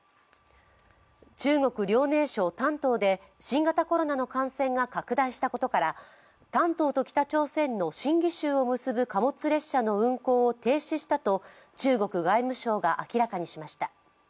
中国・遼寧省丹東で新型コロナの感染が拡大したことから丹東と北朝鮮の新義州を結ぶ貨物列車の運行を停止したと中国外務省が明らかにしました。